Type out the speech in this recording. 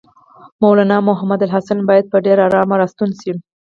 مولنا محمودالحسن باید په ډېره آرامه راستون شي.